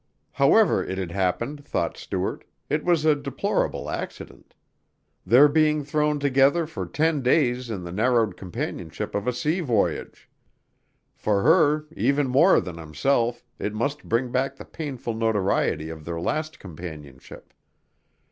However it had happened, thought Stuart, it was a deplorable accident: their being thrown together for ten days in the narrowed companionship of a sea voyage. For her, even more than himself, it must bring back the painful notoriety of their last companionship.